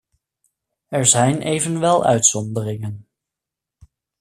Er zijn evenwel uitzonderingen.